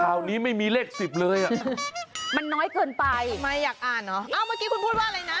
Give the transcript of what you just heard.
ข่าวนี้ไม่มีเลขสิบเลยอ่ะมันน้อยเกินไปทำไมอยากอ่านเหรออ้าวเมื่อกี้คุณพูดว่าอะไรนะ